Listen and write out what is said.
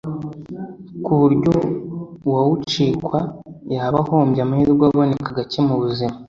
ku buryo uwawucikwa yaba ahombye amahirwe aboneka gake mu buzima